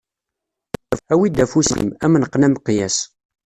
Awi-d afus-im, ad am-neqqen ameqyas.